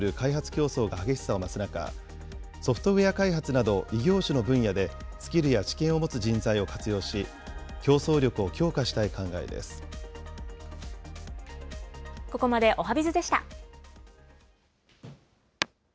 競争が激しさを増す中、ソフトウエア開発など、異業種の分野でスキルや知見を持つ人材を活用し、ここまでおはＢｉｚでした。